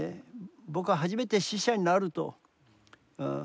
僕は初めて死者になると。